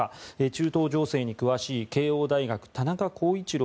中東情勢に詳しい慶應大学田中浩一郎